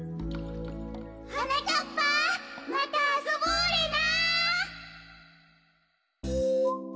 はなかっぱ！またあそぼうレナ！